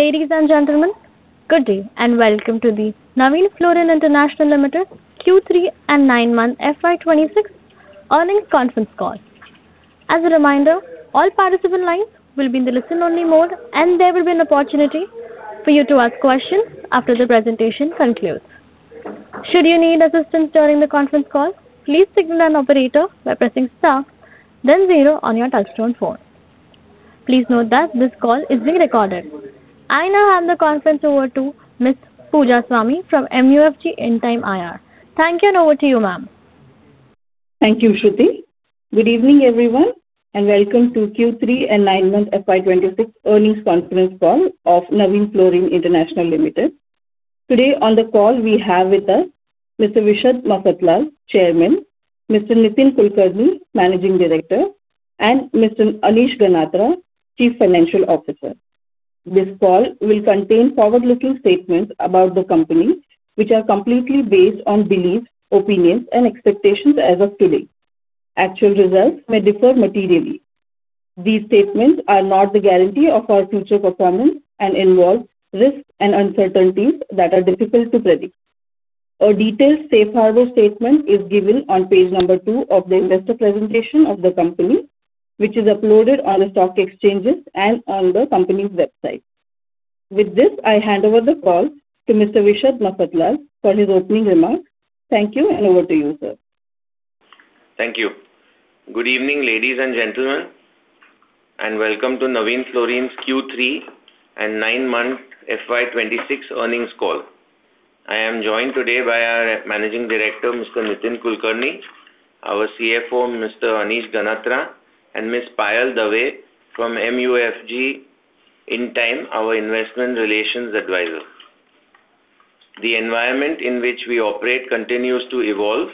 Ladies and gentlemen, good day and welcome to the Navin Fluorine International Limited Q3 and 9-month FY 2026 earnings conference call. As a reminder, all participant lines will be in the listen-only mode, and there will be an opportunity for you to ask questions after the presentation concludes. Should you need assistance during the conference call, please signal an operator by pressing star then zero on your touch-tone phone. Please note that this call is being recorded. I now hand the conference over to Ms. Pooja Swami from MUFG In-Time IR. Thank you, and over to you, ma'am. Thank you, Shruti. Good evening, everyone, and welcome to Q3 and 9-month FY 2026 earnings conference call of Navin Fluorine International Limited. Today on the call we have with us Mr. Vishad Mafatlal, Chairman, Mr. Nitin Kulkarni, Managing Director, and Mr. Anish Ganatra, Chief Financial Officer. This call will contain forward-looking statements about the company, which are completely based on beliefs, opinions, and expectations as of today. Actual results may differ materially. These statements are not the guarantee of our future performance and involve risks and uncertainties that are difficult to predict. A detailed safe-harbor statement is given on page 2 of the investor presentation of the company, which is uploaded on the stock exchanges and on the company's website. With this, I hand over the call to Mr. Vishad Mafatlal for his opening remarks. Thank you, and over to you, sir. Thank you. Good evening, ladies and gentlemen, and welcome to Navin Fluorine's Q3 and 9-month FY 2026 earnings call. I am joined today by our Managing Director, Mr. Nitin Kulkarni, our CFO, Mr. Anish Ganatra, and Ms. Payal Dave from MUFG In-Time, our Investment Relations Advisor. The environment in which we operate continues to evolve,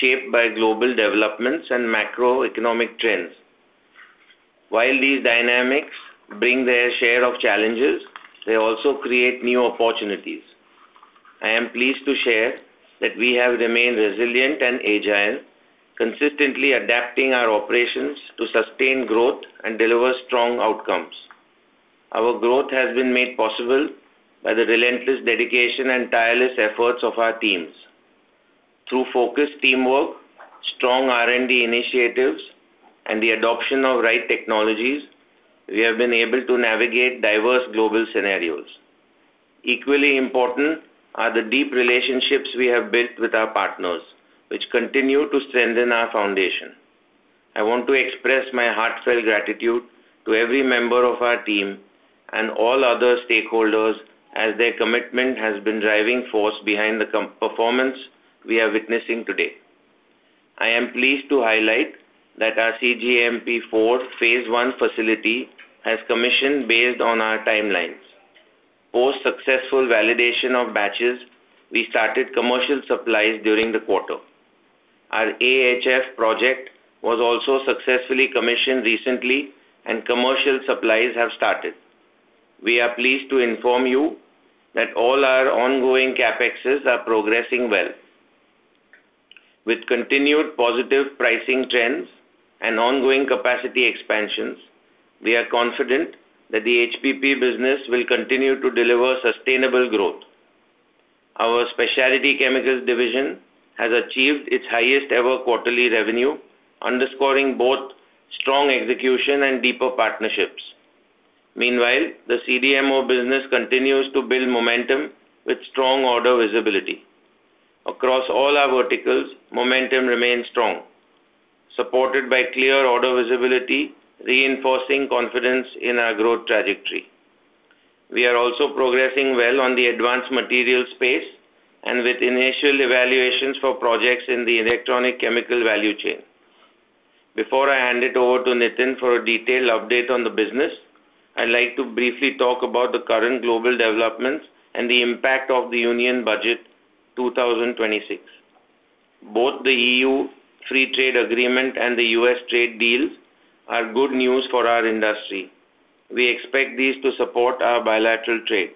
shaped by global developments and macroeconomic trends. While these dynamics bring their share of challenges, they also create new opportunities. I am pleased to share that we have remained resilient and agile, consistently adapting our operations to sustain growth and deliver strong outcomes. Our growth has been made possible by the relentless dedication and tireless efforts of our teams. Through focused teamwork, strong R&D initiatives, and the adoption of right technologies, we have been able to navigate diverse global scenarios. Equally important are the deep relationships we have built with our partners, which continue to strengthen our foundation. I want to express my heartfelt gratitude to every member of our team and all other stakeholders as their commitment has been the driving force behind the performance we are witnessing today. I am pleased to highlight that our cGMP-4 Phase 1 facility has commissioned based on our timelines. Post-successful validation of batches, we started commercial supplies during the quarter. Our AHF project was also successfully commissioned recently, and commercial supplies have started. We are pleased to inform you that all our ongoing CapExes are progressing well. With continued positive pricing trends and ongoing capacity expansions, we are confident that the HPP business will continue to deliver sustainable growth. Our Specialty Chemicals division has achieved its highest-ever quarterly revenue, underscoring both strong execution and deeper partnerships. Meanwhile, the CDMO business continues to build momentum with strong order visibility. Across all our verticals, momentum remains strong, supported by clear order visibility reinforcing confidence in our growth trajectory. We are also progressing well on the advanced materials space and with initial evaluations for projects in the electronic chemical value chain. Before I hand it over to Nitin for a detailed update on the business, I'd like to briefly talk about the current global developments and the impact of the Union Budget 2026. Both the EU Free Trade Agreement and the U.S. trade deals are good news for our industry. We expect these to support our bilateral trade.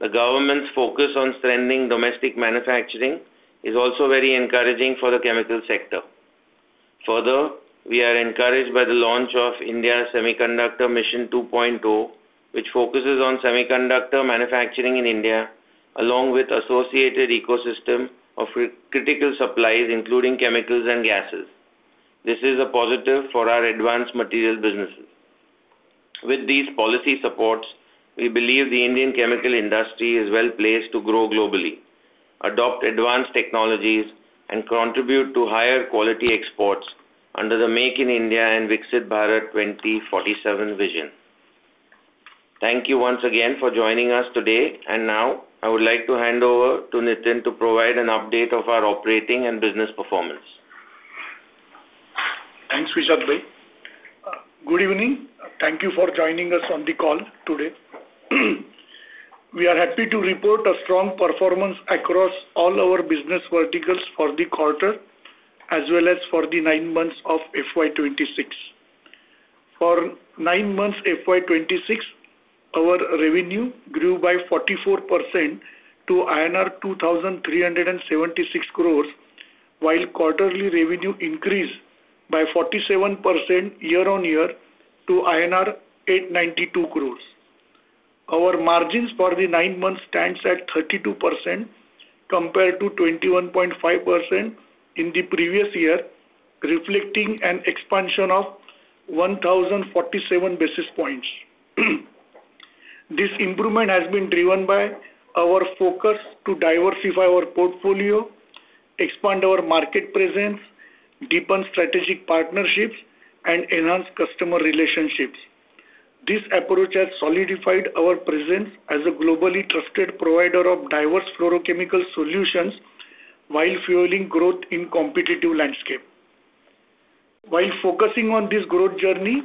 The government's focus on strengthening domestic manufacturing is also very encouraging for the chemical sector. Further, we are encouraged by the launch of India Semiconductor Mission 2.0, which focuses on semiconductor manufacturing in India along with the associated ecosystem of critical supplies, including chemicals and gases. This is a positive for our advanced material businesses. With these policy supports, we believe the Indian chemical industry is well placed to grow globally, adopt advanced technologies, and contribute to higher quality exports under the Make in India and Viksit Bharat 2047 vision. Thank you once again for joining us today, and now I would like to hand over to Nitin to provide an update of our operating and business performance. Thanks, Vishad. Good evening. Thank you for joining us on the call today. We are happy to report a strong performance across all our business verticals for the quarter as well as for the 9 months of FY 2026. For 9 months FY 2026, our revenue grew by 44% to INR 2,376 crores, while quarterly revenue increased by 47% year-on-year to INR 892 crores. Our margins for the 9 months stand at 32% compared to 21.5% in the previous year, reflecting an expansion of 1,047 basis points. This improvement has been driven by our focus to diversify our portfolio, expand our market presence, deepen strategic partnerships, and enhance customer relationships. This approach has solidified our presence as a globally trusted provider of diverse fluorochemical solutions while fueling growth in a competitive landscape. While focusing on this growth journey,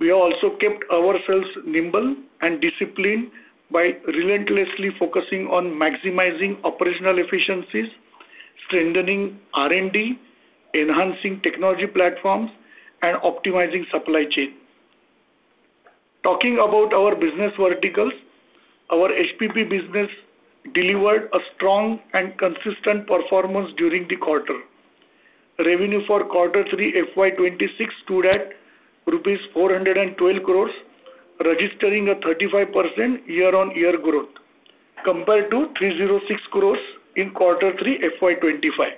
we have also kept ourselves nimble and disciplined by relentlessly focusing on maximizing operational efficiencies, strengthening R&D, enhancing technology platforms, and optimizing supply chain. Talking about our business verticals, our HPP business delivered a strong and consistent performance during the quarter. Revenue for quarter 3 FY 2026 stood at rupees 412 crores, registering a 35% year-on-year growth compared to 306 crores in quarter 3 FY 2025.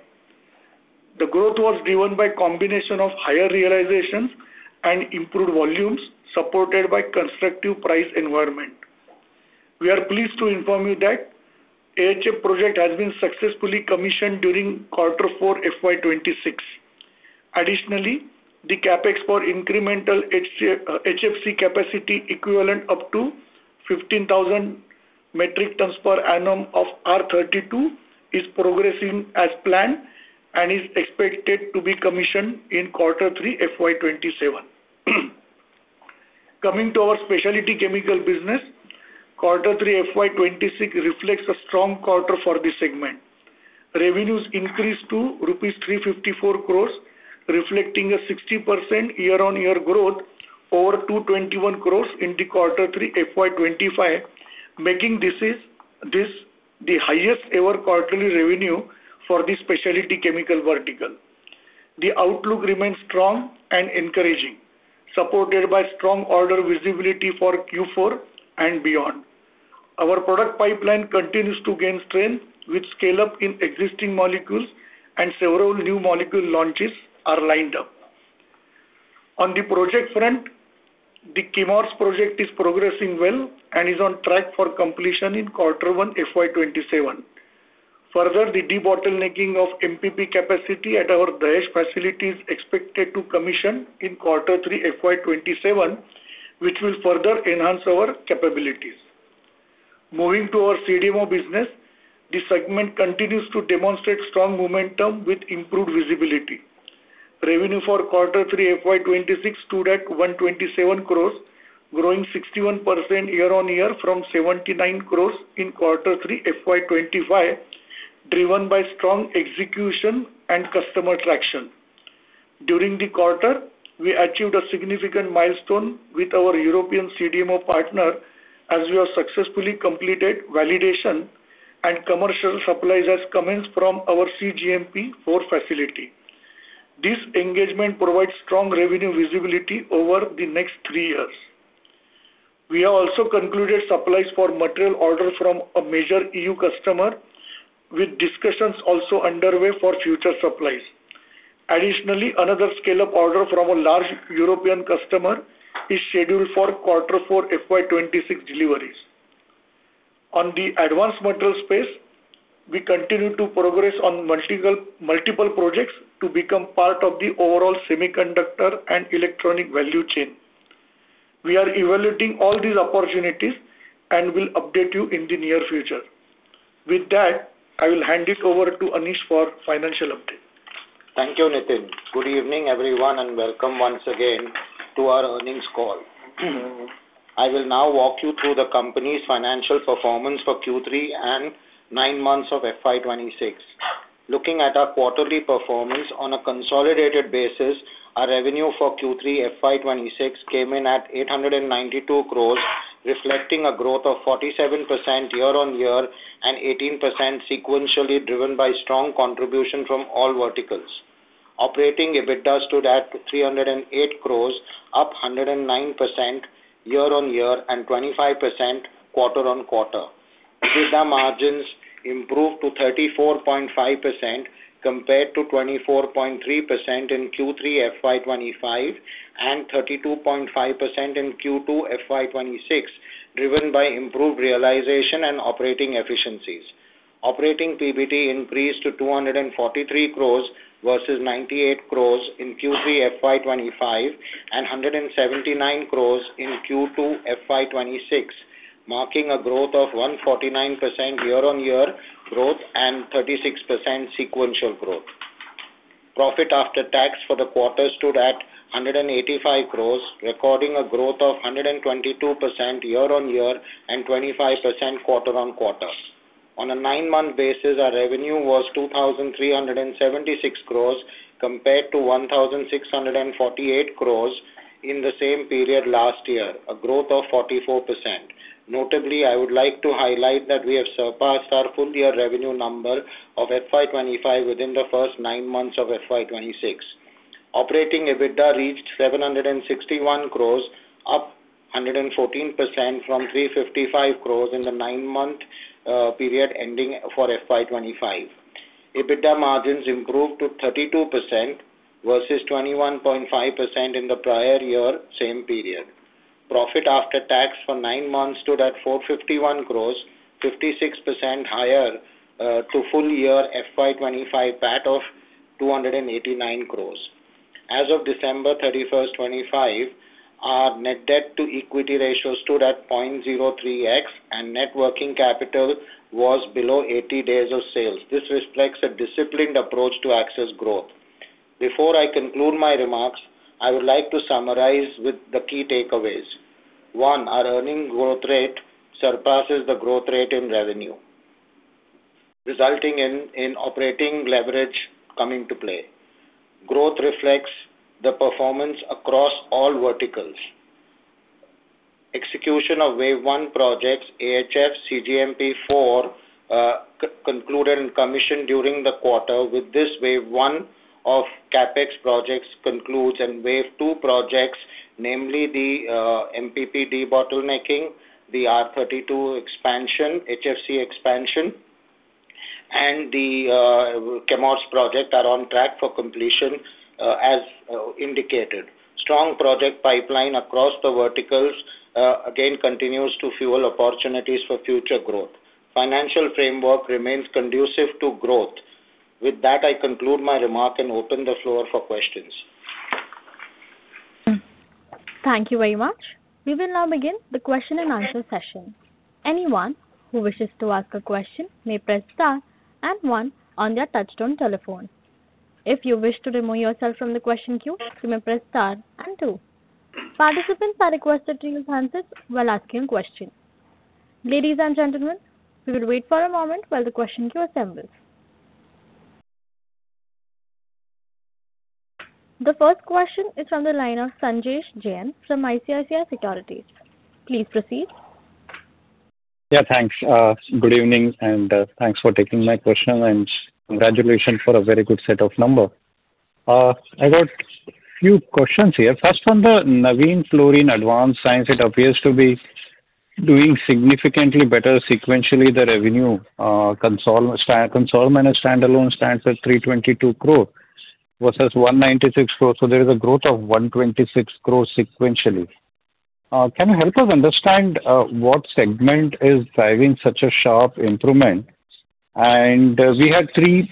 The growth was driven by a combination of higher realizations and improved volumes supported by a constructive price environment. We are pleased to inform you that the AHF project has been successfully commissioned during quarter 4 FY 2026. Additionally, the CapEx for incremental HFC capacity equivalent up to 15,000 metric tons per annum of R-32 is progressing as planned and is expected to be commissioned in quarter 3 FY 2027. Coming to our specialty chemical business, quarter 3 FY 2026 reflects a strong quarter for this segment. Revenues increased to rupees 354 crores, reflecting a 60% year-on-year growth over 221 crores in the quarter 3 FY 2025, making this the highest-ever quarterly revenue for this specialty chemical vertical. The outlook remains strong and encouraging, supported by strong order visibility for Q4 and beyond. Our product pipeline continues to gain strength with scale-up in existing molecules and several new molecule launches are lined up. On the project front, the Chemours project is progressing well and is on track for completion in quarter 1 FY 2027. Further, the debottlenecking of MPP capacity at our Dahej facility is expected to commission in quarter 3 FY 2027, which will further enhance our capabilities. Moving to our CDMO business, this segment continues to demonstrate strong momentum with improved visibility. Revenue for quarter 3 FY 2026 stood at 127 crore, growing 61% year-on-year from 79 crore in quarter 3 FY 2025, driven by strong execution and customer traction. During the quarter, we achieved a significant milestone with our European CDMO partner as we have successfully completed validation and commercial supplies commencing from our cGMP-4 facility. This engagement provides strong revenue visibility over the next three years. We have also concluded supplies for material orders from a major EU customer, with discussions also underway for future supplies. Additionally, another scale-up order from a large European customer is scheduled for quarter 4 FY 2026 deliveries. On the advanced material space, we continue to progress on multiple projects to become part of the overall semiconductor and electronic value chain. We are evaluating all these opportunities and will update you in the near future. With that, I will hand it over to Anish for financial update. Thank you, Nitin. Good evening, everyone, and welcome once again to our earnings call. I will now walk you through the company's financial performance for Q3 and 9 months of FY 2026. Looking at our quarterly performance on a consolidated basis, our revenue for Q3 FY 2026 came in at 892 crores, reflecting a growth of 47% year-on-year and 18% sequentially driven by strong contribution from all verticals. Operating EBITDA stood at 308 crores, up 109% year-on-year and 25% quarter-on-quarter. EBITDA margins improved to 34.5% compared to 24.3% in Q3 FY2025 and 32.5% in Q2 FY 2026, driven by improved realization and operating efficiencies. Operating PBT increased to 243 crores versus 98 crores in Q3 FY25 and 179 crores in Q2 FY 2026, marking a growth of 149% year-on-year growth and 36% sequential growth. Profit after tax for the quarter stood at 185 crores, recording a growth of 122% year-on-year and 25% quarter-on-quarter. On a 9-month basis, our revenue was 2,376 crores compared to 1,648 crores in the same period last year, a growth of 44%. Notably, I would like to highlight that we have surpassed our full-year revenue number of FY 2025 within the first 9 months of FY 2026. Operating EBITDA reached 761 crores, up 114% from 355 crores in the 9-month period ending for FY 2025. EBITDA margins improved to 32% versus 21.5% in the prior year same period. Profit after tax for 9 months stood at 451 crores, 56% higher to full-year FY 2025 PAT of 289 crores. As of December 31, 2025, our net debt-to-equity ratio stood at 0.03x, and net working capital was below 80 days of sales. This reflects a disciplined approach to access growth. Before I conclude my remarks, I would like to summarize the key takeaways. One, our earnings growth rate surpasses the growth rate in revenue, resulting in operating leverage coming to play. Growth reflects the performance across all verticals. Execution of Wave 1 projects, AHF, cGMP-4, concluded and commissioned during the quarter, with this Wave 1 of CapEx projects concludes and Wave 2 projects, namely the MPP debottlenecking, the R-32 expansion, HFC expansion, and the Chemours project, are on track for completion as indicated. Strong project pipeline across the verticals, again, continues to fuel opportunities for future growth. Financial framework remains conducive to growth. With that, I conclude my remark and open the floor for questions. Thank you very much. We will now begin the question-and-answer session. Anyone who wishes to ask a question may press star and one on their touch-tone telephone. If you wish to remove yourself from the question queue, you may press star and two. Participants are requested to use handsets while asking a question. Ladies and gentlemen, we will wait for a moment while the question queue assembles. The first question is from the line of Sanjay Jain from ICICI Securities. Please proceed. Yeah, thanks. Good evening, and thanks for taking my question, and congratulations for a very good set of numbers. I got a few questions here. First, from the Navin Fluorine Advanced Sciences, it appears to be doing significantly better sequentially. The revenue consolidated and standalone stands at 322 crores versus 196 crores. So there is a growth of 126 crores sequentially. Can you help us understand what segment is driving such a sharp improvement? And we had three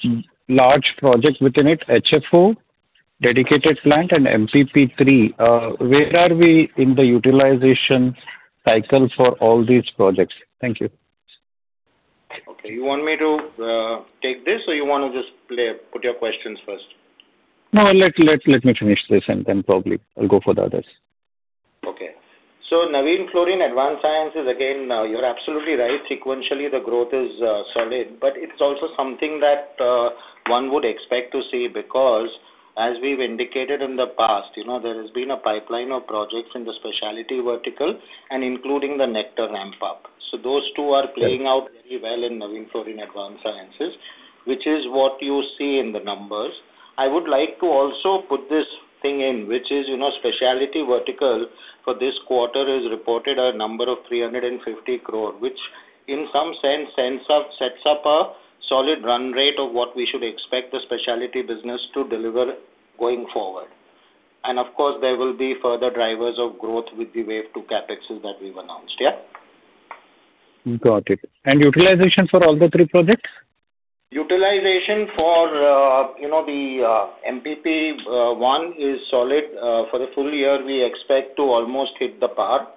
large projects within it: HFO, dedicated plant, and MPP3. Where are we in the utilization cycle for all these projects? Thank you. Okay. You want me to take this, or you want to just put your questions first? No, let me finish this, and then probably I'll go for the others. Okay. So Navin Fluorine Advanced Sciences is, again, you're absolutely right. Sequentially, the growth is solid, but it's also something that one would expect to see because, as we've indicated in the past, there has been a pipeline of projects in the specialty vertical, including the Nectar Ramp-Up. So those two are playing out very well in Navin Fluorine Advanced Sciences, which is what you see in the numbers. I would like to also put this thing in, which is specialty vertical for this quarter is reported a number of 350 crore, which in some sense sets up a solid run rate of what we should expect the specialty business to deliver going forward. And of course, there will be further drivers of growth with the Wave 2 CapExes that we've announced, yeah? Got it. And utilization for all the three projects? Utilization for the MPP1 is solid. For the full year, we expect to almost hit the par.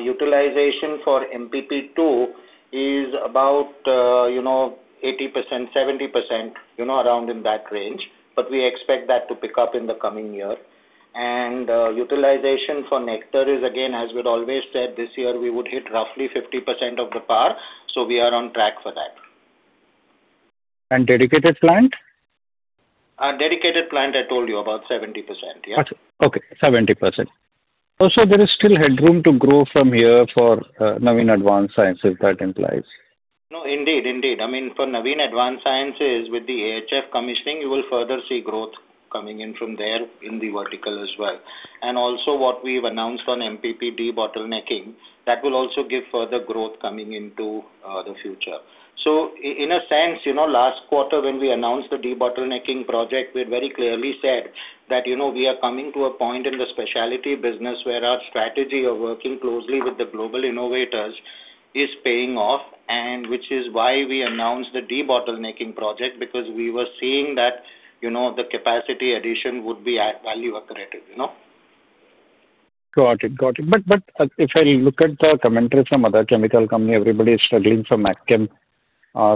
Utilization for MPP2 is about 80%-70%, around in that range, but we expect that to pick up in the coming year. Utilization for Nectar is, again, as we'd always said, this year we would hit roughly 50% of the par, so we are on track for that. Dedicated plant? Dedicated plant, I told you, about 70%, yeah? Okay, 70%. Also, there is still headroom to grow from here for Navin Advanced Sciences, that implies? No, indeed, indeed. I mean, for Navin Advanced Sciences, with the AHF commissioning, you will further see growth coming in from there in the vertical as well. And also, what we've announced on MPP debottlenecking, that will also give further growth coming into the future. So in a sense, last quarter when we announced the debottlenecking project, we had very clearly said that we are coming to a point in the specialty business where our strategy of working closely with the global innovators is paying off, which is why we announced the debottlenecking project because we were seeing that the capacity addition would be value-accretive. Got it, got it. But if I look at the commentary from other chemical companies, everybody is struggling for AgChem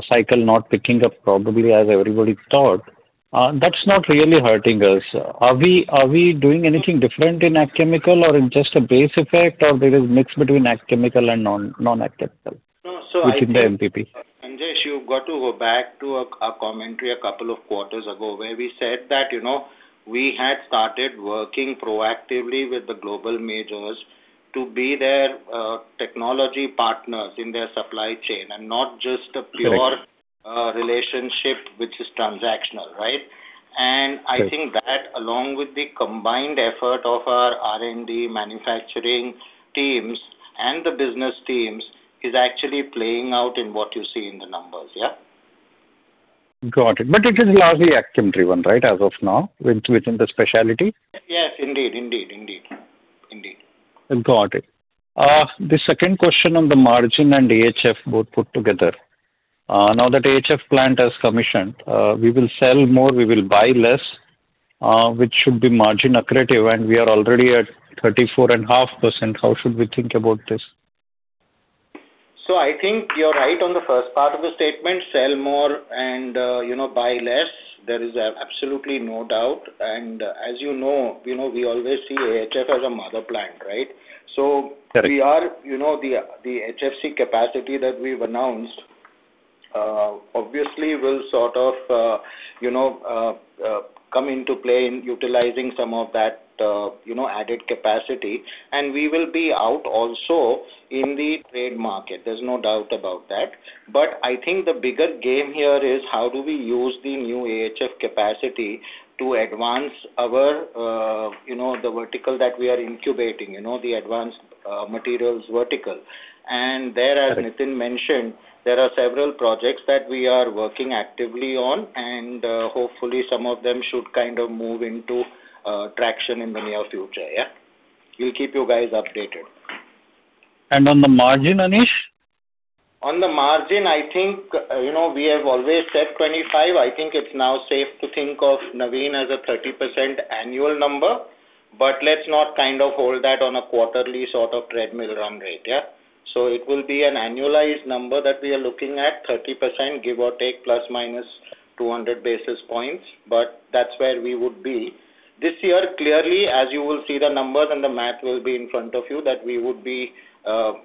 cycle, not picking up probably as everybody thought. That's not really hurting us. Are we doing anything different in AgChem, or is it just a base effect, or there is a mix between AgChem and non-AgChem within the MPP? No, so I think. Sanjay, you've got to go back to a commentary a couple of quarters ago where we said that we had started working proactively with the global majors to be their technology partners in their supply chain and not just a pure relationship which is transactional, right? And I think that, along with the combined effort of our R&D manufacturing teams and the business teams, is actually playing out in what you see in the numbers, yeah? Got it. But it is largely AgChem-driven, right, as of now, within the specialty? Yes, indeed, indeed, indeed, indeed. Got it. The second question on the margin and AHF, both put together. Now that AHF plant has commissioned, we will sell more, we will buy less, which should be margin-accretive, and we are already at 34.5%. How should we think about this? So I think you're right on the first part of the statement, sell more and buy less. There is absolutely no doubt. And as you know, we always see AHF as a mother plant, right? So the HFC capacity that we've announced, obviously, will sort of come into play in utilizing some of that added capacity. And we will be out also in the trade market. There's no doubt about that. But I think the bigger game here is how do we use the new AHF capacity to advance the vertical that we are incubating, the advanced materials vertical. And there, as Nitin mentioned, there are several projects that we are working actively on, and hopefully, some of them should kind of move into traction in the near future, yeah? We'll keep you guys updated. And on the margin, Anish? On the margin, I think we have always said 25. I think it's now safe to think of Navin as a 30% annual number, but let's not kind of hold that on a quarterly sort of treadmill run rate, yeah? So it will be an annualized number that we are looking at, 30%, give or take ±200 basis points, but that's where we would be. This year, clearly, as you will see the numbers and the math will be in front of you, that we would be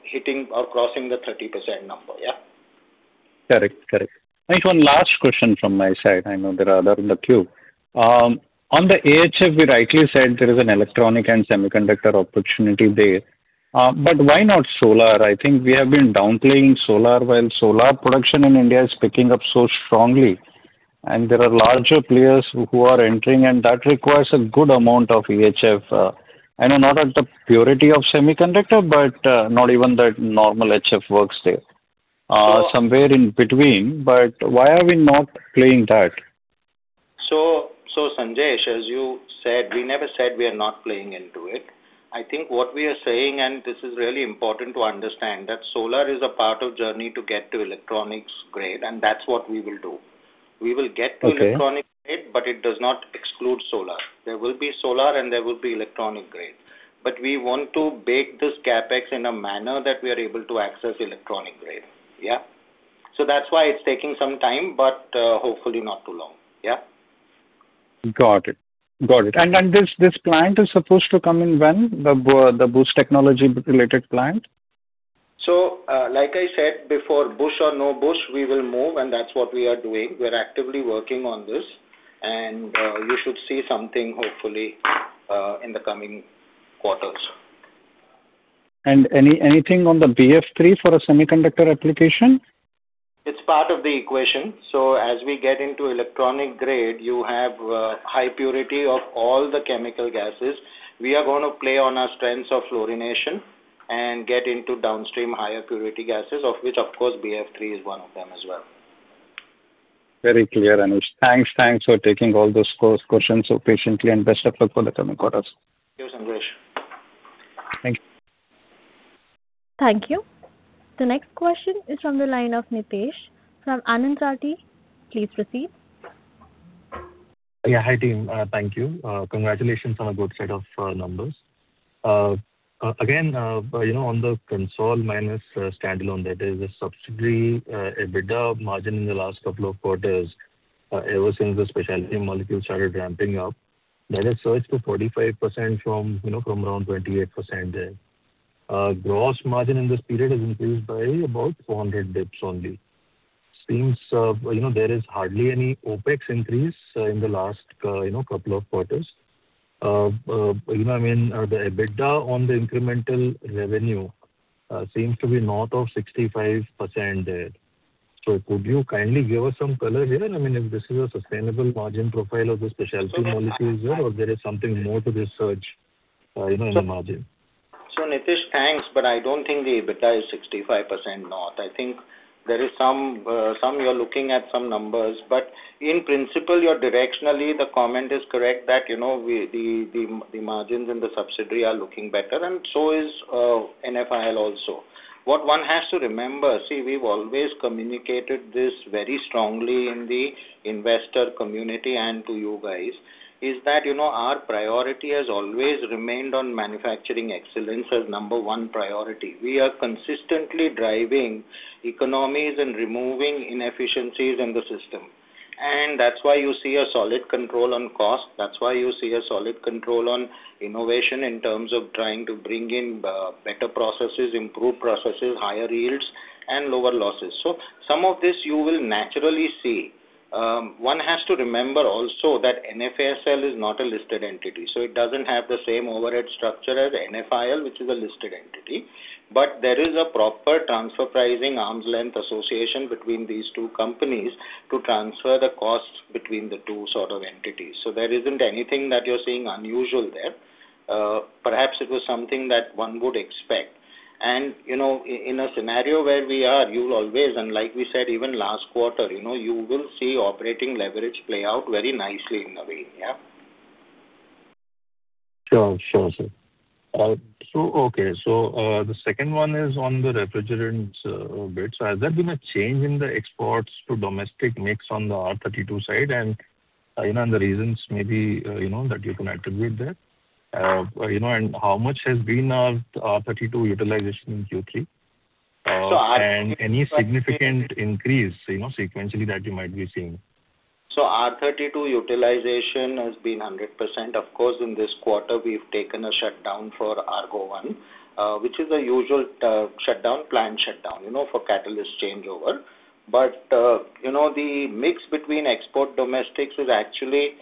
hitting or crossing the 30% number, yeah? Correct, correct. Anish, one last question from my side. I know there are others in the queue. On the AHF, we rightly said there is an electronic and semiconductor opportunity there, but why not solar? I think we have been downplaying solar while solar production in India is picking up so strongly, and there are larger players who are entering, and that requires a good amount of HF. I know not at the purity of semiconductor, but not even that normal HF works there. Somewhere in between. But why are we not playing that? So Sanjay, as you said, we never said we are not playing into it. I think what we are saying, and this is really important to understand, that solar is a part of the journey to get to electronics grade, and that's what we will do. We will get to electronics grade, but it does not exclude solar. There will be solar, and there will be electronic grade. But we want to bake this CapEx in a manner that we are able to access electronic grade, yeah? So that's why it's taking some time, but hopefully, not too long, yeah? Got it, got it. And this plant is supposed to come in when, the Buss Technology-related plant? Like I said before, Bush or no Bush, we will move, and that's what we are doing. We're actively working on this, and you should see something, hopefully, in the coming quarters. Anything on the BF3 for a semiconductor application? It's part of the equation. So as we get into electronic grade, you have high purity of all the chemical gases. We are going to play on our strengths of fluorination and get into downstream higher purity gases, of which, of course, BF3 is one of them as well. Very clear, Anish. Thanks, thanks for taking all those questions so patiently, and best of luck for the coming quarters. Thank you, Sanjay. Thank you. Thank you. The next question is from the line of Nitesh. From Anand Rathi, please proceed. Yeah, hi team. Thank you. Congratulations on a good set of numbers. Again, on the consolidated minus standalone, there is a subsidiary EBITDA margin in the last couple of quarters ever since the specialty molecule started ramping up. There is a surge to 45% from around 28% there. Gross margin in this period has increased by about 400 basis points only. Seems there is hardly any OpEx increase in the last couple of quarters. I mean, the EBITDA on the incremental revenue seems to be north of 65% there. So could you kindly give us some color here? I mean, if this is a sustainable margin profile of the specialty molecules here, or there is something more to this surge in the margin? So Nitesh, thanks, but I don't think the EBITDA is 65% north. I think there is some you're looking at some numbers, but in principle, you're directionally, the comment is correct that the margins in the subsidiary are looking better, and so is NFIL also. What one has to remember, see, we've always communicated this very strongly in the investor community and to you guys, is that our priority has always remained on manufacturing excellence as number one priority. We are consistently driving economies and removing inefficiencies in the system. And that's why you see a solid control on cost. That's why you see a solid control on innovation in terms of trying to bring in better processes, improved processes, higher yields, and lower losses. So some of this you will naturally see. One has to remember also that NFASL is not a listed entity. It doesn't have the same overhead structure as NFIL, which is a listed entity. But there is a proper transfer pricing arm's length association between these two companies to transfer the costs between the two sort of entities. There isn't anything that you're seeing unusual there. Perhaps it was something that one would expect. In a scenario where we are, you will always, and like we said, even last quarter, you will see operating leverage play out very nicely in Navin, yeah? Sure, sure, sir. So okay. So the second one is on the refrigerants a bit. So has there been a change in the exports to domestic mix on the R-32 side, and the reasons maybe that you can attribute there? And how much has been our R-32 utilization in Q3? And any significant increase sequentially that you might be seeing? So R-32 utilization has been 100%. Of course, in this quarter, we've taken a shutdown for Agro One, which is a usual shutdown, plant shutdown for catalyst changeover. But the mix between export-domestics is actually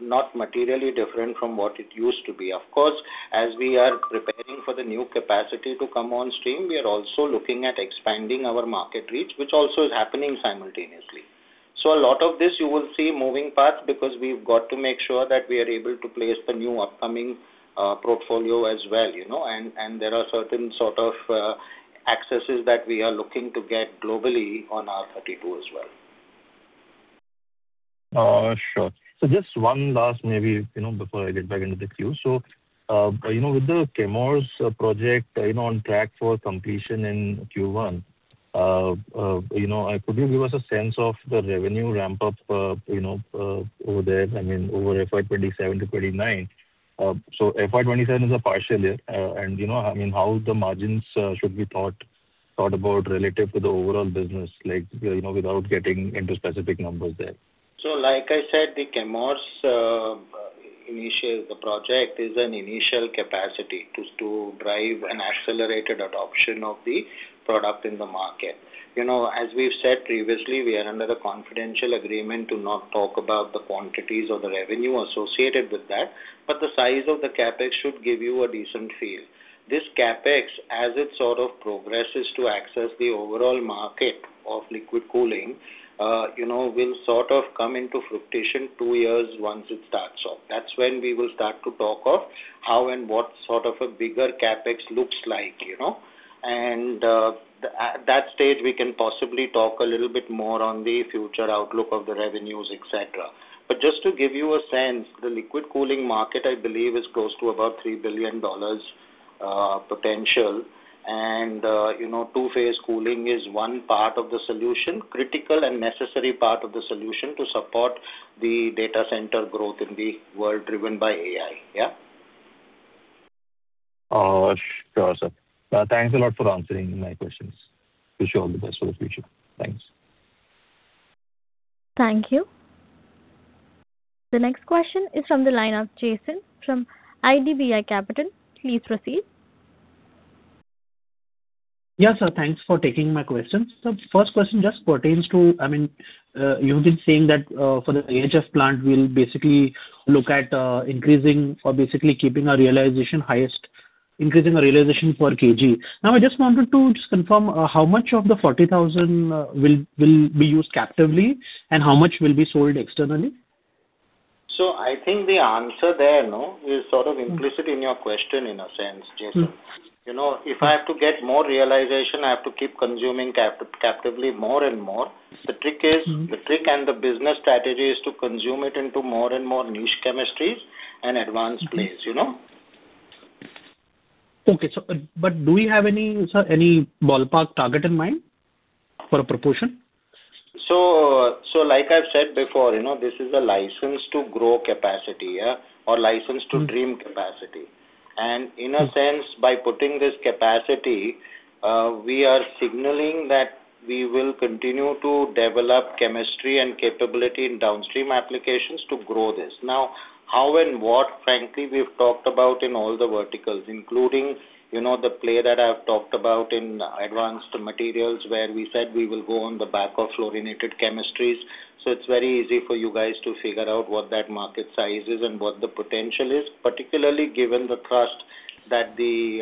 not materially different from what it used to be. Of course, as we are preparing for the new capacity to come on stream, we are also looking at expanding our market reach, which also is happening simultaneously. So a lot of this you will see moving past because we've got to make sure that we are able to place the new upcoming portfolio as well. And there are certain sort of accesses that we are looking to get globally on R-32 as well. Sure. Just one last maybe before I get back into the queue. With the Chemours project on track for completion in Q1, could you give us a sense of the revenue ramp-up over there? I mean, over FY 2027 to 2029. FY 2027 is a partial year. And I mean, how the margins should be thought about relative to the overall business without getting into specific numbers there? So like I said, the Chemours initiates the project, is an initial capacity to drive an accelerated adoption of the product in the market. As we've said previously, we are under a confidential agreement to not talk about the quantities or the revenue associated with that, but the size of the CapEx should give you a decent feel. This CapEx, as it sort of progresses to access the overall market of liquid cooling, will sort of come into fruition two years once it starts off. That's when we will start to talk of how and what sort of a bigger CapEx looks like. And at that stage, we can possibly talk a little bit more on the future outlook of the revenues, etc. But just to give you a sense, the liquid cooling market, I believe, is close to about $3 billion potential. Two-phase cooling is one part of the solution, critical and necessary part of the solution to support the data center growth in the world driven by AI, yeah? Sure, sir. Thanks a lot for answering my questions. Wish you all the best for the future. Thanks. Thank you. The next question is from the line of Jason from IDBI Capital. Please proceed. Yes, sir. Thanks for taking my question. The first question just pertains to—I mean, you've been saying that for the HF plant, we'll basically look at increasing or basically keeping our realization highest, increasing our realization per kg? Now, I just wanted to just confirm how much of the 40,000 will be used captively, and how much will be sold externally? I think the answer there is sort of implicit in your question in a sense, Jason. If I have to get more realization, I have to keep consuming captively more and more. The trick and the business strategy is to consume it into more and more niche chemistries and advanced plays. Okay. But do we have any, sir, any ballpark target in mind for a proportion? So like I've said before, this is a license to grow capacity or license to dream capacity. And in a sense, by putting this capacity, we are signaling that we will continue to develop chemistry and capability in downstream applications to grow this. Now, how and what, frankly, we've talked about in all the verticals, including the play that I've talked about in advanced materials where we said we will go on the back of fluorinated chemistries. So it's very easy for you guys to figure out what that market size is and what the potential is, particularly given the trust that the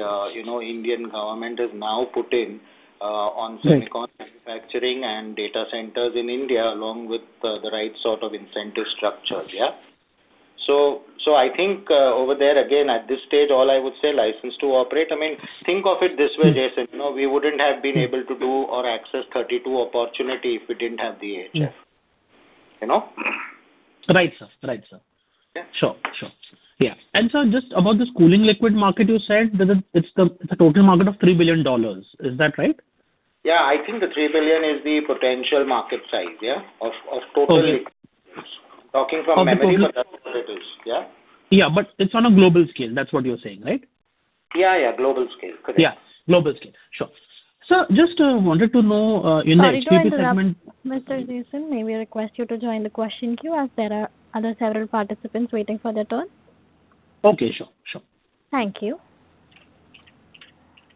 Indian government has now put in on semiconductor manufacturing and data centers in India along with the right sort of incentive structures, yeah? So I think over there, again, at this stage, all I would say, license to operate. I mean, think of it this way, Jason. We wouldn't have been able to do or access R-32 opportunity if we didn't have the HF. Right, sir. Right, sir. Sure, sure. Yeah. And sir, just about this cooling liquid market you said, it's a total market of $3 billion. Is that right? Yeah. I think the $3 billion is the potential market size, yeah, of total liquids. Talking from memory, but that's what it is, yeah? Yeah. But it's on a global scale. That's what you're saying, right? Yeah, yeah. Global scale. Correct. Yeah. Global scale. Sure. Sir, just wanted to know in the HPP segment. Mr. Jason, may we request you to join the question queue as there are other several participants waiting for their turn? Okay. Sure, sure. Thank you.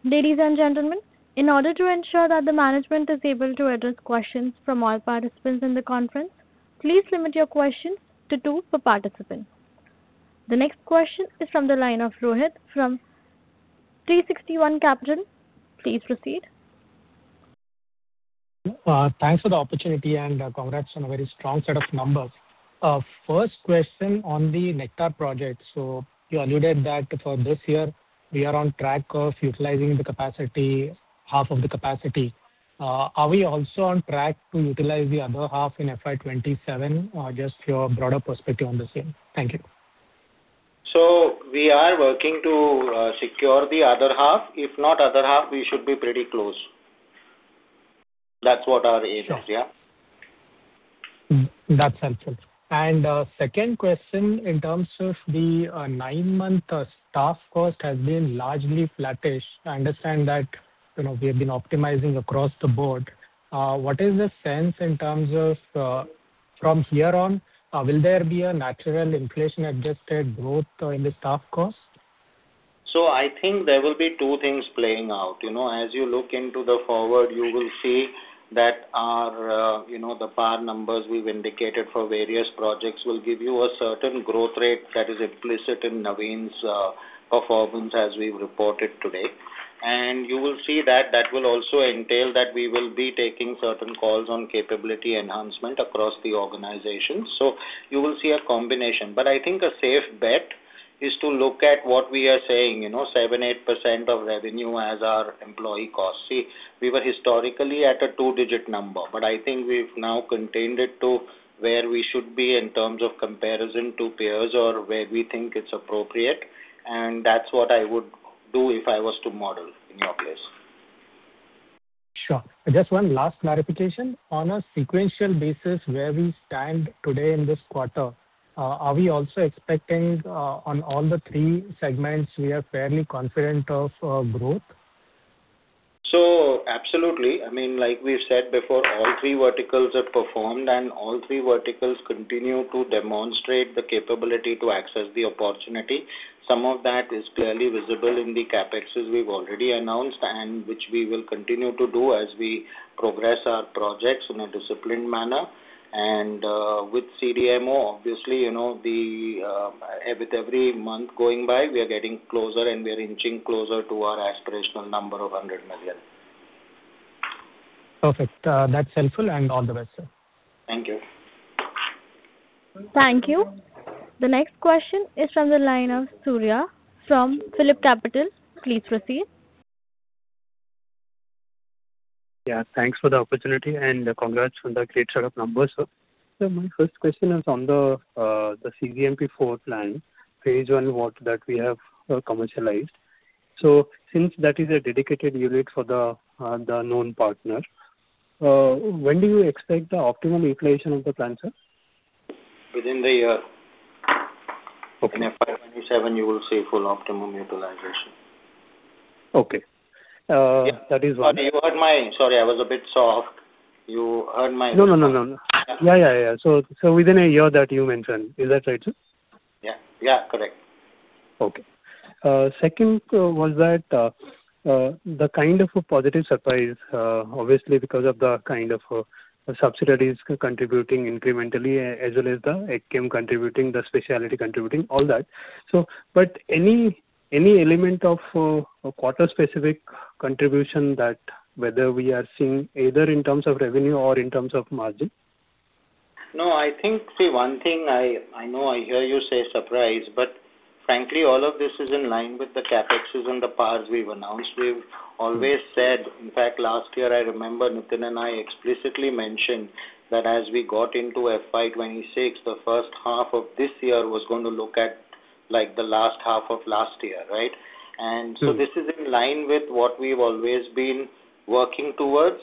Ladies and gentlemen, in order to ensure that the management is able to address questions from all participants in the conference, please limit your questions to two per participant. The next question is from the line of Rohit from 360 ONE Asset Management. Please proceed. Thanks for the opportunity, and congrats on a very strong set of numbers. First question on the Nectar project. So you alluded that for this year, we are on track of utilizing the capacity, half of the capacity. Are we also on track to utilize the other half in FY 2027, just for a broader perspective on this year? Thank you. So we are working to secure the other half. If not other half, we should be pretty close. That's what our aim is, yeah? That's helpful. And second question, in terms of the nine-month staff cost has been largely flattish. I understand that we have been optimizing across the board. What is the sense in terms of from here on, will there be a natural inflation-adjusted growth in the staff cost? So I think there will be two things playing out. As you look into the forward, you will see that the bar numbers we've indicated for various projects will give you a certain growth rate that is implicit in Navin's performance as we've reported today. And you will see that that will also entail that we will be taking certain calls on capability enhancement across the organization. So you will see a combination. But I think a safe bet is to look at what we are saying, 7%-8% of revenue as our employee cost. See, we were historically at a two-digit number, but I think we've now contained it to where we should be in terms of comparison to peers or where we think it's appropriate. And that's what I would do if I was to model in your place. Sure. Just one last clarification. On a sequential basis, where we stand today in this quarter, are we also expecting on all the three segments, we are fairly confident of growth? So absolutely. I mean, like we've said before, all three verticals have performed, and all three verticals continue to demonstrate the capability to access the opportunity. Some of that is clearly visible in the CapExes we've already announced, and which we will continue to do as we progress our projects in a disciplined manner. With CDMO, obviously, with every month going by, we are getting closer, and we are inching closer to our aspirational number of $100 million. Perfect. That's helpful, and all the best, sir. Thank you. Thank you. The next question is from the line of Surya from PhillipCapital. Please proceed. Yeah. Thanks for the opportunity, and congrats on the great set of numbers, sir. So my first question is on the cGMP-4 plant, phase one that we have commercialized. So since that is a dedicated unit for the known partner, when do you expect the optimum utilization of the plant, sir? Within the year. In FY 2027, you will see full optimum utilization. Okay. That is one. You heard me, sorry, I was a bit soft. No, no, no, no, no. Yeah, yeah, yeah, yeah. So within a year that you mentioned. Is that right, sir? Yeah. Yeah, correct. Okay. Second was that the kind of a positive surprise, obviously, because of the kind of subsidiaries contributing incrementally as well as the E-Chem contributing, the specialty contributing, all that. But any element of quarter-specific contribution that whether we are seeing either in terms of revenue or in terms of margin? No, I think, see, one thing I know I hear you say surprise, but frankly, all of this is in line with the CapExes and the bars we've announced. We've always said, in fact, last year, I remember Nitin and I explicitly mentioned that as we got into FY 2026, the first half of this year was going to look at the last half of last year, right? And so this is in line with what we've always been working towards.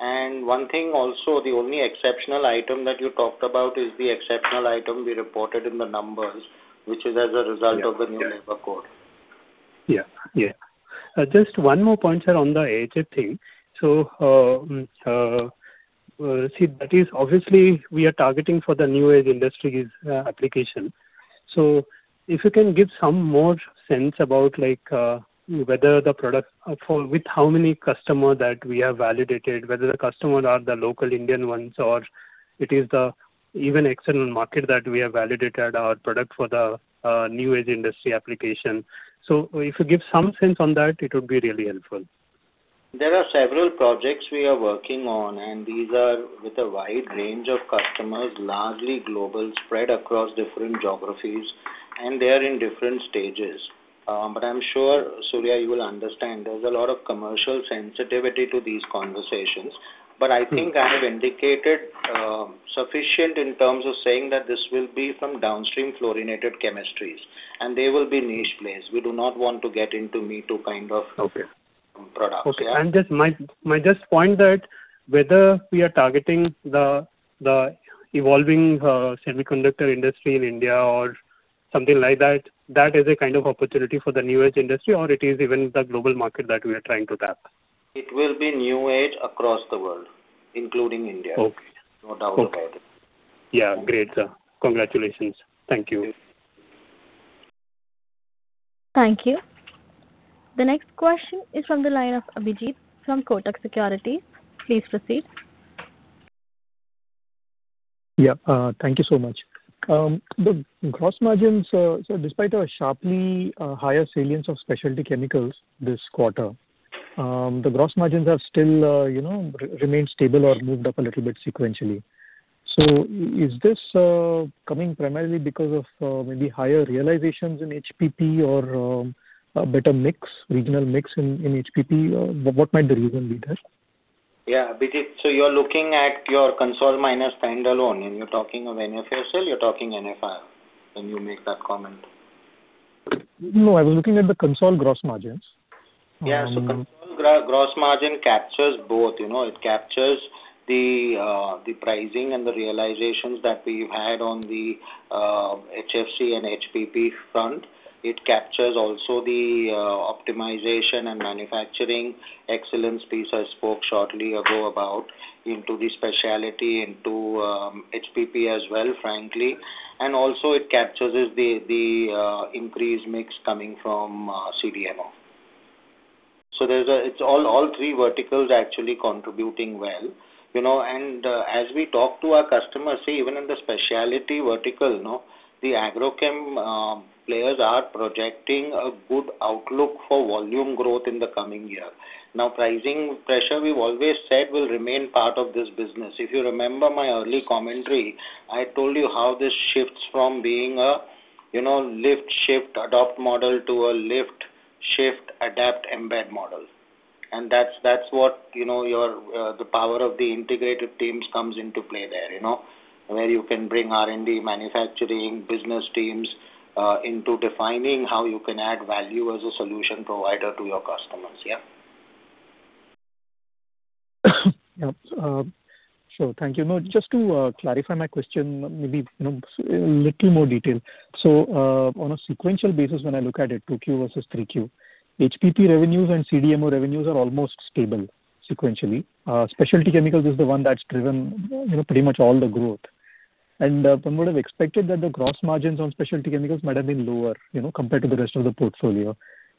And one thing also, the only exceptional item that you talked about is the exceptional item we reported in the numbers, which is as a result of the new labor code. Yeah, yeah. Just one more point, sir, on the HF thing. So see, that is obviously, we are targeting for the new age industries application. So if you can give some more sense about whether the product with how many customers that we have validated, whether the customers are the local Indian ones or it is even external market that we have validated our product for the new age industry application. So if you give some more sense on that, it would be really helpful. There are several projects we are working on, and these are with a wide range of customers, largely global, spread across different geographies, and they are in different stages. But I'm sure, Surya, you will understand there's a lot of commercial sensitivity to these conversations. But I think I have indicated sufficient in terms of saying that this will be from downstream fluorinated chemistries, and they will be niche plays. We do not want to get into me-too kind of products, yeah? Okay. And just my point that whether we are targeting the evolving semiconductor industry in India or something like that, that is a kind of opportunity for the new age industry, or it is even the global market that we are trying to tap? It will be new age across the world, including India. No doubt about it. Yeah. Great, sir. Congratulations. Thank you. Thank you. The next question is from the line of Abhijit from Kotak Securities. Please proceed. Yeah. Thank you so much. The gross margins, sir, despite a sharply higher salience of specialty chemicals this quarter, the gross margins have still remained stable or moved up a little bit sequentially. So is this coming primarily because of maybe higher realizations in HPP or a better mix, regional mix in HPP? What might the reason be there? Yeah, Abhijit, so you're looking at consolidated minus standalone, and you're talking of NFASL? You're talking NFIL when you make that comment? No, I was looking at the consolidated gross margins. Yeah. So consolidated gross margin captures both. It captures the pricing and the realizations that we've had on the HFC and HPP front. It captures also the optimization and manufacturing excellence piece I spoke shortly ago about into the specialty, into HPP as well, frankly. And also, it captures the increased mix coming from CDMO. So it's all three verticals actually contributing well. And as we talk to our customers, see, even in the specialty vertical, the agrochem players are projecting a good outlook for volume growth in the coming year. Now, pricing pressure, we've always said, will remain part of this business. If you remember my early commentary, I told you how this shifts from being a lift-shift-adopt model to a lift-shift-adapt-embed model. That's what the power of the integrated teams comes into play there, where you can bring R&D manufacturing business teams into defining how you can add value as a solution provider to your customers, yeah? Yep. Sure. Thank you. No, just to clarify my question, maybe a little more detail. So on a sequential basis, when I look at it, 2Q versus 3Q, HPP revenues and CDMO revenues are almost stable sequentially. Specialty chemicals is the one that's driven pretty much all the growth. And one would have expected that the gross margins on specialty chemicals might have been lower compared to the rest of the portfolio.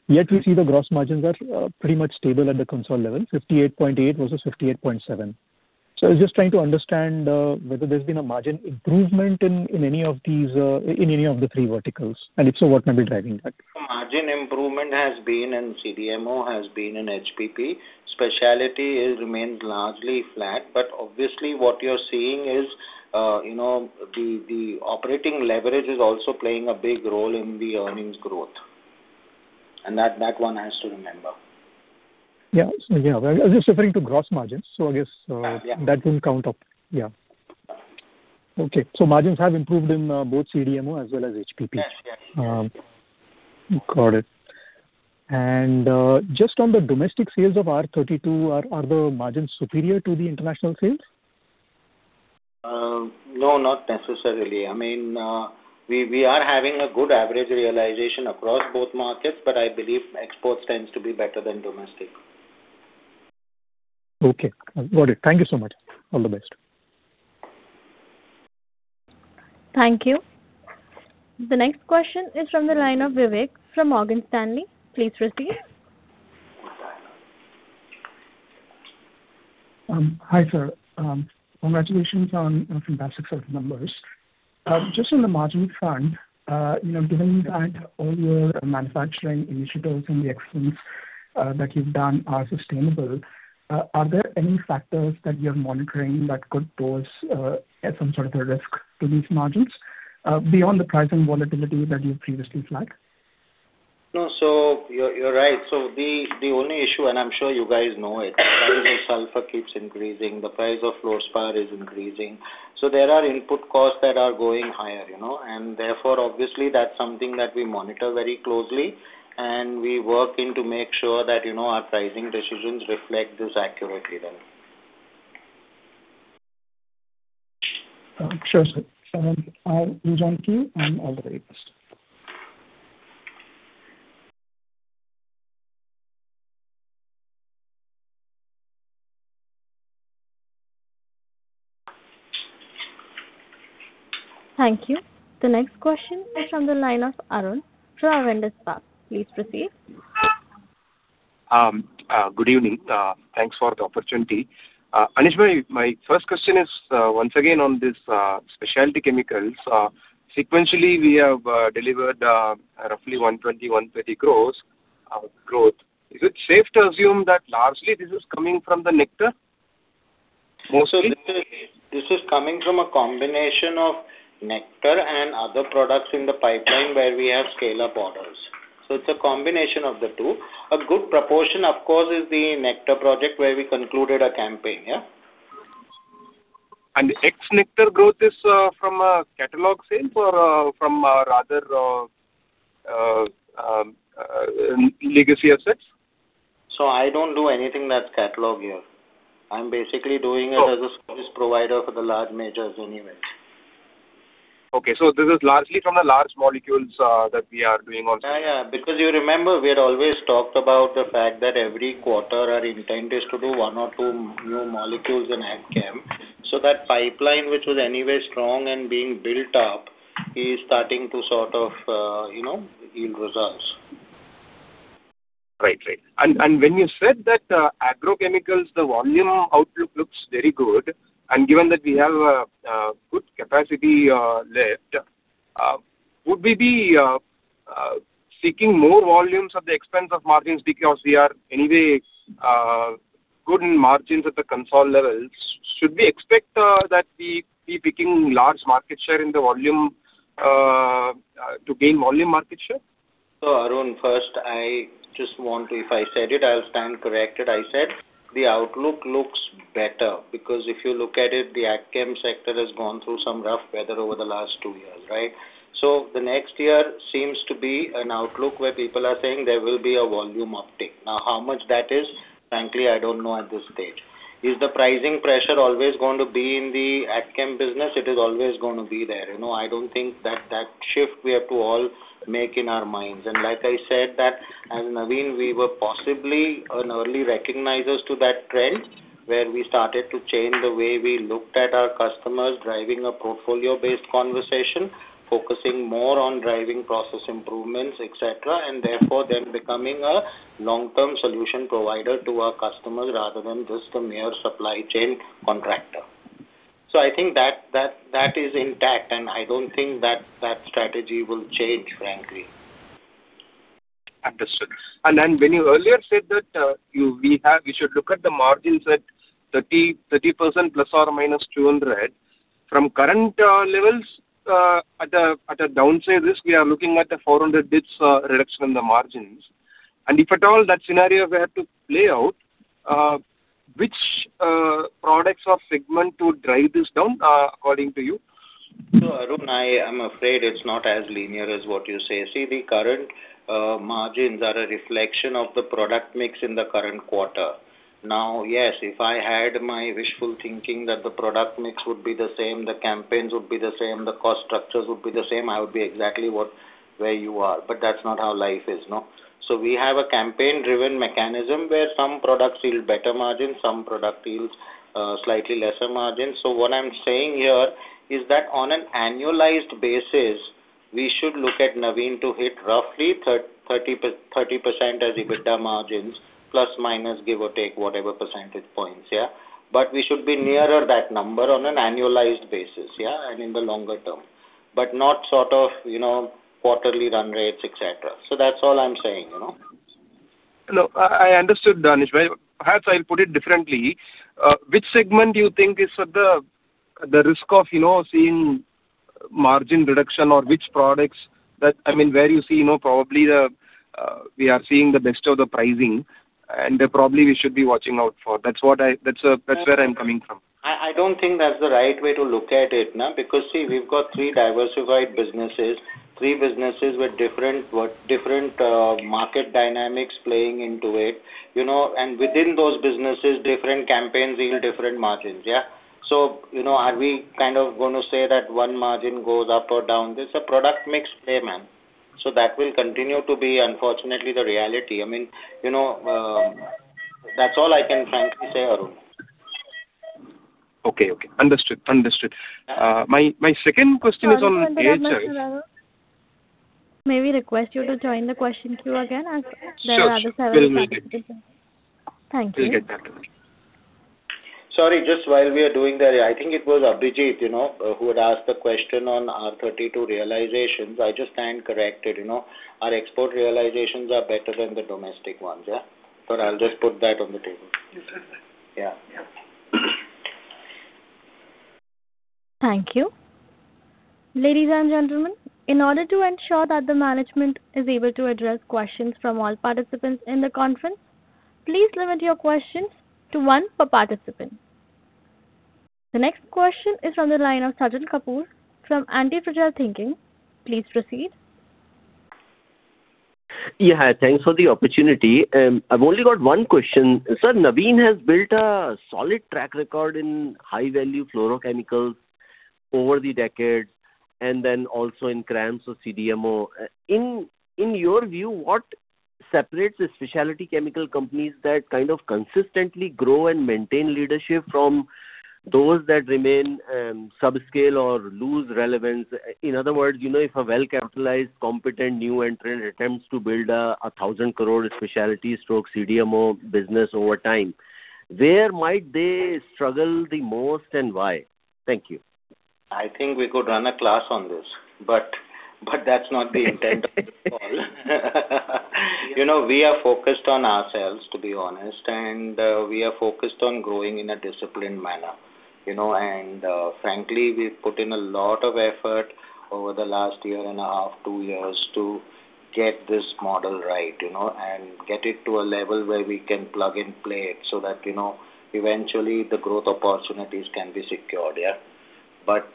Yet, we see the gross margins are pretty much stable at the consolidated level, 58.8 versus 58.7. So I was just trying to understand whether there's been a margin improvement in any of these in any of the three verticals. And if so, what might be driving that? Margin improvement has been in CDMO, has been in HPP. Specialty remains largely flat. But obviously, what you're seeing is the operating leverage is also playing a big role in the earnings growth. And that one has to remember. Yeah. Yeah. I was just referring to gross margins. So I guess that wouldn't count up. Yeah. Okay. So margins have improved in both CDMO as well as HPP. Yes, yes. Got it. Just on the domestic sales of R-32, are the margins superior to the international sales? No, not necessarily. I mean, we are having a good average realization across both markets, but I believe exports tend to be better than domestic. Okay. Got it. Thank you so much. All the best. Thank you. The next question is from the line of Vivek from Morgan Stanley. Please proceed. Hi, sir. Congratulations on fantastic set of numbers. Just on the margin front, given that all your manufacturing initiatives and the excellence that you've done are sustainable, are there any factors that you're monitoring that could pose some sort of a risk to these margins beyond the price and volatility that you've previously flagged? No, so you're right. So the only issue, and I'm sure you guys know it, the price of sulfur keeps increasing. The price of fluorspar is increasing. So there are input costs that are going higher. And therefore, obviously, that's something that we monitor very closely, and we work in to make sure that our pricing decisions reflect this accurately then. Sure, sir. And I'll close on cue, and all the very best. Thank you. The next question is from the line of Arun from Avendus Spark. Please proceed. Good evening. Thanks for the opportunity. Anish, my first question is once again on these specialty chemicals. Sequentially, we have delivered roughly 120-130 gross growth. Is it safe to assume that largely this is coming from the Nectar? Most of it, this is coming from a combination of Nectar and other products in the pipeline where we have scale-up orders. So it's a combination of the two. A good proportion, of course, is the Nectar project where we concluded a campaign, yeah? The ex-Nectar growth is from catalog sales or from our other legacy assets? I don't do anything that's catalog here. I'm basically doing it as a service provider for the large majors anyways. Okay. So this is largely from the large molecules that we are doing on. Yeah, yeah. Because you remember, we had always talked about the fact that every quarter, our intent is to do one or two new molecules in AgChem so that pipeline, which was anyway strong and being built up, is starting to sort of yield results. Right, right. When you said that agrochemicals, the volume outlook looks very good. Given that we have a good capacity left, would we be seeking more volumes at the expense of margins because we are anyway good in margins at the console levels? Should we expect that we be picking large market share in the volume to gain volume market share? So Arun, first, I just want to if I said it, I'll stand corrected. I said the outlook looks better because if you look at it, the AgChem sector has gone through some rough weather over the last two years, right? So the next year seems to be an outlook where people are saying there will be a volume uptick. Now, how much that is, frankly, I don't know at this stage. Is the pricing pressure always going to be in the AgChem business? It is always going to be there. I don't think that that shift we have to all make in our minds. And like I said, as Navin, we were possibly early recognizers to that trend where we started to change the way we looked at our customers, driving a portfolio-based conversation, focusing more on driving process improvements, etc., and therefore then becoming a long-term solution provider to our customers rather than just a mere supply chain contractor. So I think that is intact, and I don't think that strategy will change, frankly. Understood. And then when you earlier said that we should look at the margins at 30% ± 200, from current levels, at a downside risk, we are looking at the 400 dips reduction in the margins. And if at all that scenario were to play out, which products or segment would drive this down according to you? So Arun, I am afraid it's not as linear as what you say. See, the current margins are a reflection of the product mix in the current quarter. Now, yes, if I had my wishful thinking that the product mix would be the same, the campaigns would be the same, the cost structures would be the same, I would be exactly where you are. But that's not how life is. So we have a campaign-driven mechanism where some products yield better margins, some products yield slightly lesser margins. So what I'm saying here is that on an annualized basis, we should look at Navin to hit roughly 30% as EBITDA margins, plus-minus, give or take whatever percentage points, yeah? But we should be nearer that number on an annualized basis, yeah, and in the longer term, but not sort of quarterly run rates, etc. So that's all I'm saying. No, I understood, Anish. Perhaps I'll put it differently. Which segment do you think is at the risk of seeing margin reduction or which products that I mean, where you see probably we are seeing the best of the pricing, and probably we should be watching out for? That's where I'm coming from. I don't think that's the right way to look at it now because, see, we've got three diversified businesses, three businesses with different market dynamics playing into it. And within those businesses, different campaigns yield different margins, yeah? So are we kind of going to say that one margin goes up or down? There's a product mix play, man. So that will continue to be, unfortunately, the reality. I mean, that's all I can, frankly, say, Arun. Okay, okay. Understood, understood. My second question is on HR. May we request you to join the question queue again? There are other seven questions. Sure. Thank you. We'll get back to that. Sorry, just while we are doing that, I think it was Abhijit who had asked the question on R-32 realizations. I just stand corrected. Our export realizations are better than the domestic ones, yeah? So I'll just put that on the table. Yeah. Thank you. Ladies and gentlemen, in order to ensure that the management is able to address questions from all participants in the conference, please limit your questions to one per participant. The next question is from the line of Sajal Kapoor from Antifragile Thinking. Please proceed. Yeah, thanks for the opportunity. I've only got one question. Sir, Navin has built a solid track record in high-value fluorochemicals over the decades and then also in CRAMS or CDMO. In your view, what separates the specialty chemical companies that kind of consistently grow and maintain leadership from those that remain subscale or lose relevance? In other words, if a well-capitalized, competent, new entrant attempts to build an 1,000 crore specialty stroke CDMO business over time, where might they struggle the most and why? Thank you. I think we could run a class on this, but that's not the intent of this call. We are focused on ourselves, to be honest, and we are focused on growing in a disciplined manner. Frankly, we've put in a lot of effort over the last year and a half, two years to get this model right and get it to a level where we can plug and play it so that eventually, the growth opportunities can be secured, yeah? But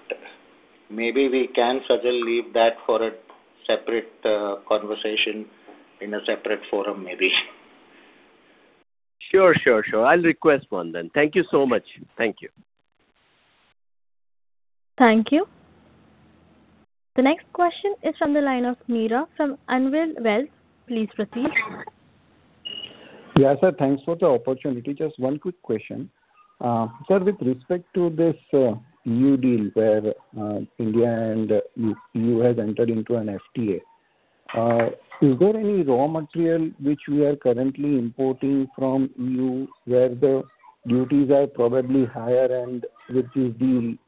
maybe we can, Sajal, leave that for a separate conversation in a separate forum, maybe. Sure, sure, sure. I'll request one then. Thank you so much. Thank you. Thank you. The next question is from the line of Meera from Anvil Wealth. Please proceed. Yes, sir. Thanks for the opportunity. Just one quick question. Sir, with respect to this EU deal where India and the EU entered into an FTA, is there any raw material which we are currently importing from the EU where the duties are probably higher and which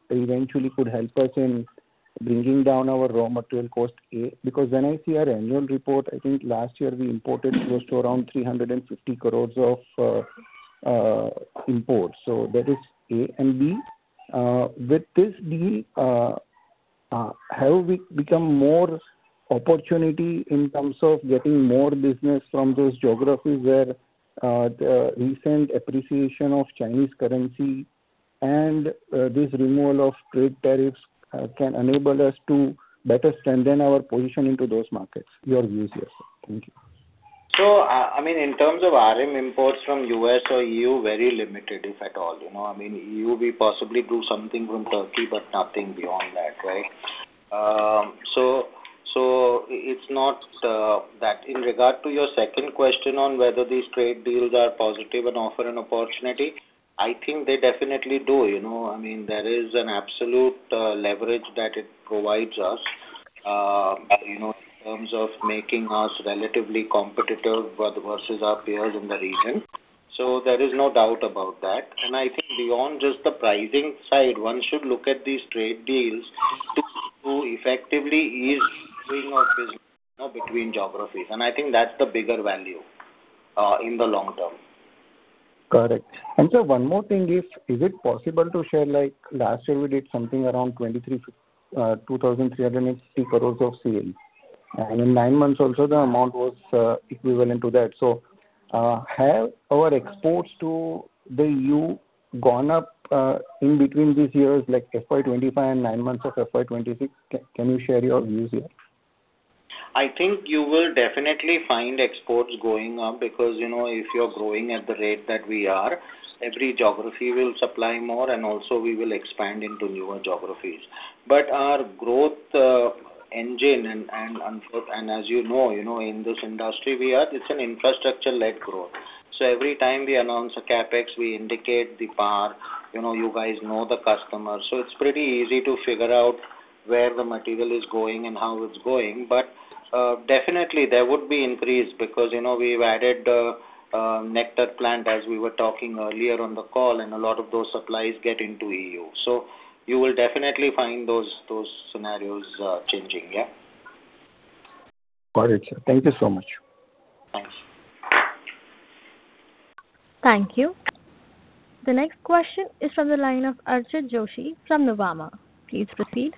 eventually could help us in bringing down our raw material cost? Because when I see our annual report, I think last year we imported close to around 350 crore of imports. So that is A and B. With this deal, have we become more opportunity in terms of getting more business from those geographies where the recent appreciation of Chinese currency and this removal of trade tariffs can enable us to better strengthen our position into those markets? Your views, yes, sir. Thank you. So I mean, in terms of RM imports from the U.S. or the E.U., very limited, if at all. I mean, the E.U., we possibly drew something from Turkey, but nothing beyond that, right? So it's not that. In regard to your second question on whether these trade deals are positive and offer an opportunity, I think they definitely do. I mean, there is an absolute leverage that it provides us in terms of making us relatively competitive versus our peers in the region. So there is no doubt about that. And I think beyond just the pricing side, one should look at these trade deals to effectively ease the doing of business between geographies. And I think that's the bigger value in the long term. Correct. Sir, one more thing. Is it possible to share? Last year, we did something around 2,380 crore of sales, and in nine months, also, the amount was equivalent to that. So have our exports to the EU gone up in between these years, like FY 2025 and nine months of FY 2026? Can you share your views here? I think you will definitely find exports going up because if you're growing at the rate that we are, every geography will supply more, and also, we will expand into newer geographies. But our growth engine, and as you know, in this industry we are, it's an infrastructure-led growth. So every time we announce a CapEx, we indicate the PAR. You guys know the customer. So it's pretty easy to figure out where the material is going and how it's going. But definitely, there would be increase because we've added the Nectar plant, as we were talking earlier on the call, and a lot of those supplies get into the EU. So you will definitely find those scenarios changing, yeah? Got it, sir. Thank you so much. Thanks. Thank you. The next question is from the line of Archit Joshi from Nuvama. Please proceed.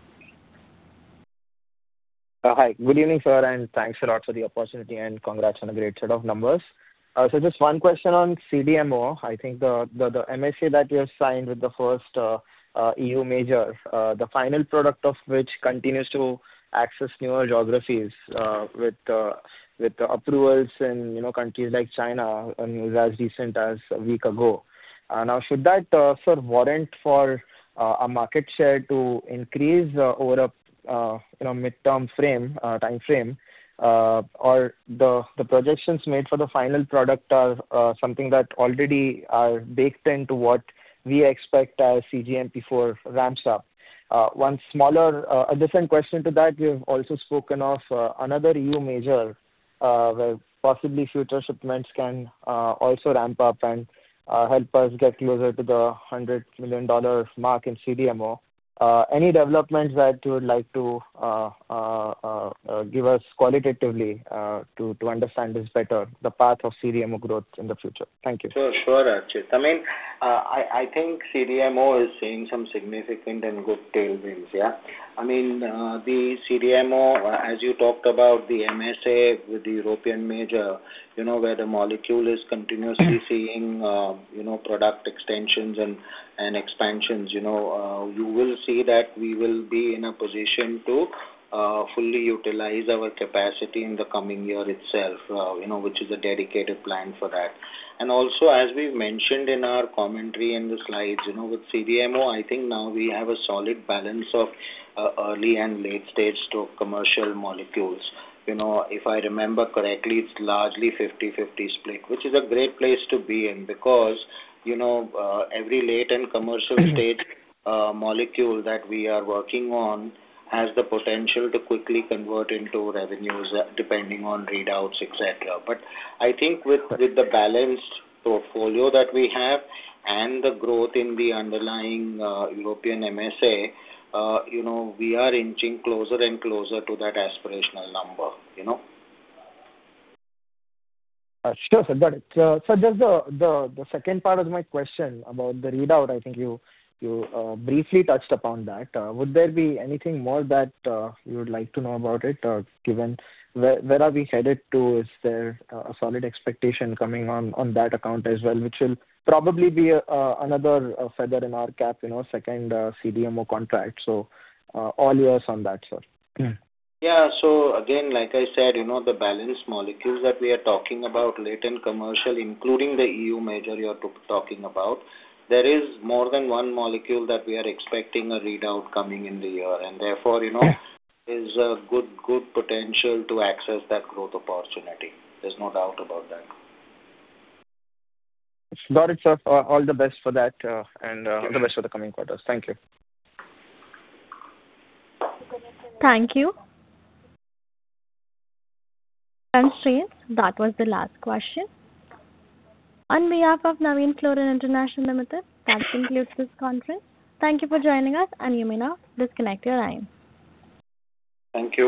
Hi. Good evening, sir, and thanks a lot for the opportunity, and congrats on a great set of numbers. Just one question on CDMO. I think the MSA that you have signed with the first EU major, the final product of which continues to access newer geographies with approvals in countries like China and was as recent as a week ago. Now, should that, sir, warrant for a market share to increase over a midterm time frame, or the projections made for the final product are something that already are baked into what we expect as cGMP-4 ramps up? One additional question to that, we have also spoken of another EU major where possibly future shipments can also ramp up and help us get closer to the $100 million mark in CDMO. Any developments that you would like to give us qualitatively to understand this better, the path of CDMO growth in the future? Thank you. Sure, sure, Abhijit. I mean, I think CDMO is seeing some significant and good tailwinds, yeah? I mean, the CDMO, as you talked about, the MSA with the European major where the molecule is continuously seeing product extensions and expansions, you will see that we will be in a position to fully utilize our capacity in the coming year itself, which is a dedicated plan for that. And also, as we've mentioned in our commentary in the slides, with CDMO, I think now we have a solid balance of early and late-stage or commercial molecules. If I remember correctly, it's largely 50/50 split, which is a great place to be in because every late and commercial-stage molecule that we are working on has the potential to quickly convert into revenues depending on readouts, etc. I think with the balanced portfolio that we have and the growth in the underlying European MSA, we are inching closer and closer to that aspirational number. Sure, sir. Got it. Sir, just the second part of my question about the readout, I think you briefly touched upon that. Would there be anything more that you would like to know about it given where are we headed to? Is there a solid expectation coming on that account as well, which will probably be another feather in our cap, second CDMO contract? So all yours on that, sir. Yeah. So again, like I said, the balanced molecules that we are talking about, late and commercial, including the EU major you're talking about, there is more than one molecule that we are expecting a readout coming in the year. And therefore, there is a good potential to access that growth opportunity. There's no doubt about that. Got it, sir. All the best for that and all the best for the coming quarters. Thank you. Thank you. Thanks, Archit. That was the last question. On behalf of Navin Fluorine International Limited, that concludes this conference. Thank you for joining us, and you may now disconnect your line. Thank you.